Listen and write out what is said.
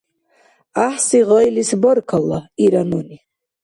— ГӀяхӀси гъайлис баркалла, — ира нуни.